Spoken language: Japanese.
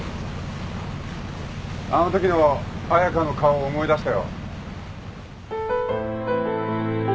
あのときの彩佳の顔を思い出したよ。